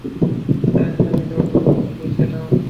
তাই, আমি দৌড়ের অনুশীলন করছিলাম।